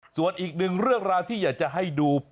ส่วนอีกหนึ่งเรื่องราวที่อยากจะให้ดู